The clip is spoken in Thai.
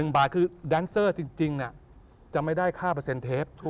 ๑บาทคือแดนเซอร์จริงจะไม่ได้ค่าเปอร์เซ็นเทป